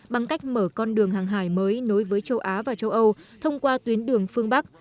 bằng cách mở con đường hàng hải mới nối với châu á và châu âu thông qua tuyến đường phương bắc